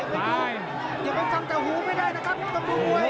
เดี๋ยวมันทำแต่หูไม่ได้นะครับ